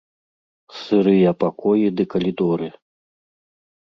Сырыя пакоі ды калідоры.